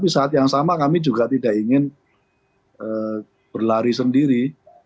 saya juga tidak ingin berlari sendiri